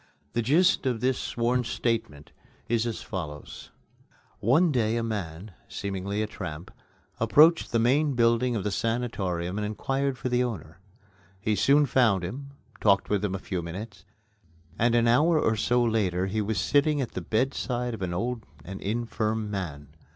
The gist of this sworn statement is as follows: One day a man seemingly a tramp approached the main building of the sanatorium and inquired for the owner. He soon found him, talked with him a few minutes, and an hour or so later he was sitting at the bedside of an old and infirm man.